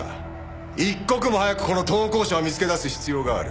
一刻も早くこの投稿者を見つけ出す必要がある。